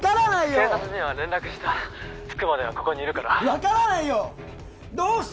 ☎警察には連絡した☎着くまではここにいるから分からないよどうして！？